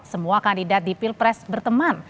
semua kandidat di pilpres berteman